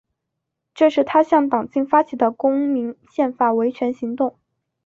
这是他向党禁发起的公民宪法维权行动。